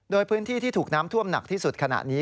โดยพื้นที่ที่ถูกน้ำท่วมหนักที่สุดขณะนี้